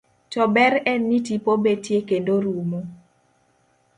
To ber en ni tipo betie kendo rumo